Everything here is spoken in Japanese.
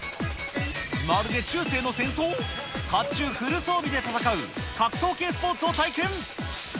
まるで中世の戦争？かっちゅうフル装備で戦う格闘系スポーツを体験。